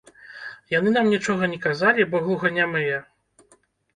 Яны нам нічога не казалі, бо глуханямыя.